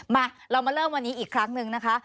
มาเรามาเริ่มวันนี้อีกครั้งหนึ่งนะคะ